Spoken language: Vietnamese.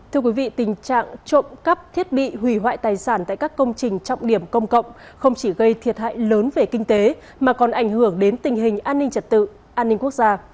thưa quý vị tình trạng trộm cắp thiết bị hủy hoại tài sản tại các công trình trọng điểm công cộng không chỉ gây thiệt hại lớn về kinh tế mà còn ảnh hưởng đến tình hình an ninh trật tự an ninh quốc gia